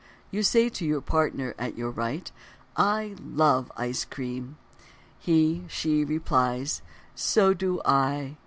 _ You say to the partner at your right: "I love ice cream." She (he) replies: "So do I."